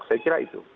saya kira itu